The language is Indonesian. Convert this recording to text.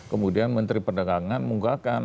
kemudian menteri perdagangan menguatkan